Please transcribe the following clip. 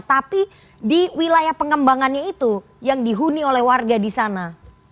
tapi di wilayah pengembangannya itu yang dihuni oleh warga di sana